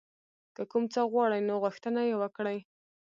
که کوم څه غواړئ نو غوښتنه یې وکړئ.